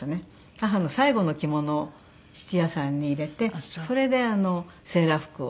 母の最後の着物を質屋さんに入れてそれでセーラー服を。